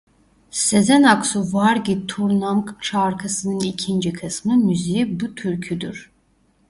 Sezen Aksu Var Git Turnam şarkısının ikinci kısmı müziği bu türküdür.